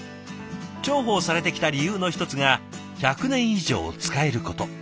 重宝されてきた理由の一つが１００年以上使えること。